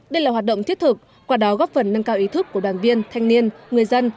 đây là hoạt động thiết thực qua đó góp phần nâng cao ý thức của đoàn viên thanh niên người dân